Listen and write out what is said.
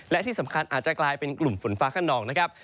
และที่สำคัญอาจจะกลายเป็นกลุ่มฝนฟ้าขนองนะครับ